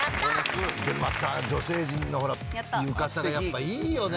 でまた女性陣の浴衣がやっぱいいよね。